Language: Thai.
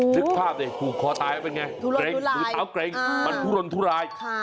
นึกภาพสิขู่คอตายเป็นไงเกรงมือเท้าเกรงมันทุรลทุราย